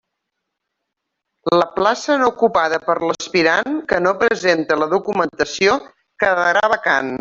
La plaça no ocupada per l'aspirant que no presente la documentació quedarà vacant.